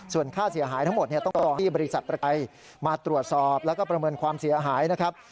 ส่วนค่าเสียหายทั้งหมดต้องมาตรวจสอบแล้วก็ประเมินความเสียหายนะครับ